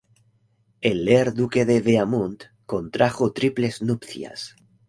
El Ier Duque de Beaumont contrajo triples nupcias.